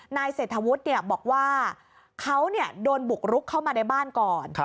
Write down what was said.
นายเศรษฐวุฒิบอกว่าเขาโดนบุกรุกเข้ามาในบ้านก่อน